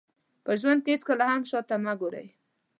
په ژوند کې هېڅکله هم شاته مه ګورئ.